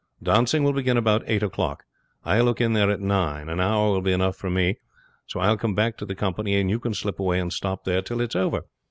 Dancing will begin about eight o'clock. I will look in there at nine. An hour will be enough for me; so I will come back to the company, and you can slip away and stop there till it's over."